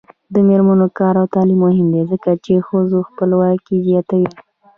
د میرمنو کار او تعلیم مهم دی ځکه چې ښځو خپلواکي زیاتوي.